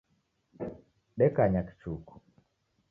Dekanya kichuku.